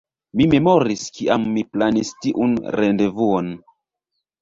Mi memoris kiam ni planis tiun rendevuon